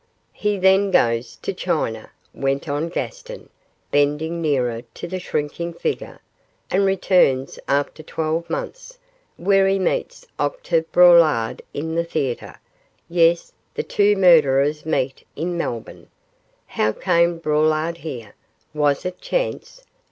'He then goes to China,' went on Gaston, bending nearer to the shrinking figure, 'and returns after twelve months, where he meets Octave Braulard in the theatre yes, the two murderers meet in Melbourne! How came Braulard here? Was it chance?